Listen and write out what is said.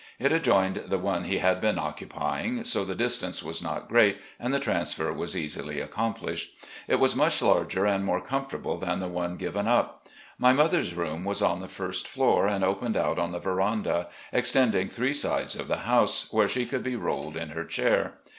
It adjoined the one he had been occupying, so the distance was not great and the transfer was easily accomplished. It was much larger and more comfortable than the one given up. My mother's room was on the first floor and opened out on the veranda, extending three sides of the house, where she could be rolled in her chair.